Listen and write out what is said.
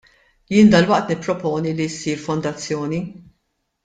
Jien dalwaqt nipproponi li issir fondazzjoni.